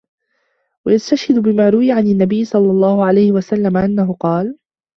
وَيَسْتَشْهِدُ بِمَا رُوِيَ عَنْ النَّبِيِّ صَلَّى اللَّهُ عَلَيْهِ وَسَلَّمَ أَنَّهُ قَالَ